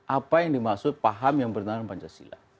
apa yang dimaksud paham yang bertentangan pancasila